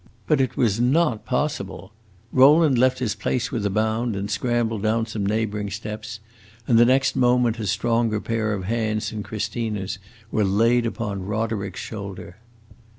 But it was not possible! Rowland left his place with a bound, and scrambled down some neighboring steps, and the next moment a stronger pair of hands than Christina's were laid upon Roderick's shoulder.